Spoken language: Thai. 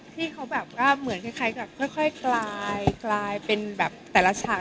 ที่เขาเหมือนคล้ายกลายเป็นแต่ละฉาก